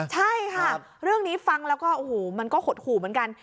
ใช่ค่ะเรื่องนี้ฟังแล้วก็โอ้โหมันก็หดหู่เหมือนกัน